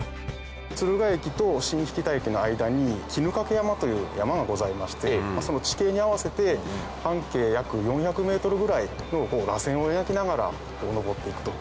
敦賀駅と新疋田駅の間に衣掛山という山がございましてその地形に合わせて半径約４００ｍぐらいのらせんを描きながら登って行くと。